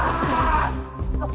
あっ！